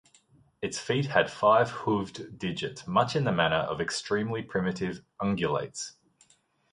Its feet had five hooved digits much in the manner of extremely primitive ungulates.